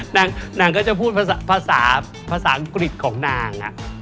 นางก็จะพูดภาษาภาษาอังกฤษของนาง